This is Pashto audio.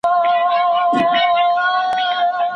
اسمان او مځکه نیولي واوري